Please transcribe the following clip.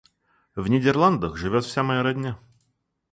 В Нидерландах живёт вся моя родня.